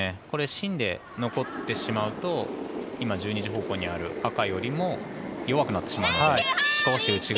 芯で残ってしまうと今、１２時方向にある赤よりも弱くなってしまうので。